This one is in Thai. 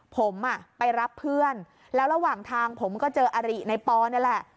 ผมไปรับเพื่อนแล้วระหว่างทางผมก็เจออริในปอนี่แหละ